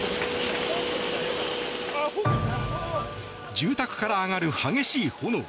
住宅から上がる激しい炎。